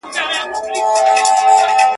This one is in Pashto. که لکه شمع ستا په لاره کي مشل نه یمه ,